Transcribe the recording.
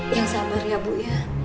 yang sabar ya bu ya